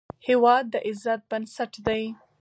هېواد د عزت بنسټ دی.